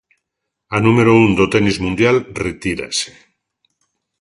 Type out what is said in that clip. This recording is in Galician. A número un do tenis mundial retírase.